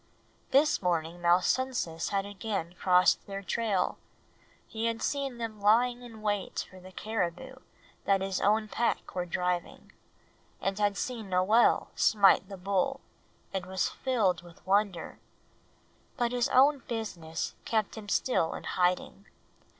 This morning Malsunsis had again crossed their trail. He had seen them lying in wait for the caribou that his own pack were driving; had seen Noel smite the bull, and was filled with wonder; but his own business kept him still in hiding.